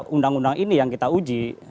undang undang ini yang kita uji